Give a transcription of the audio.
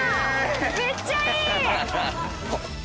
めっちゃいい！